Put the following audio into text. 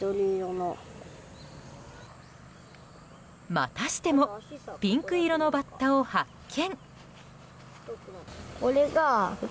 またしてもピンク色のバッタを発見。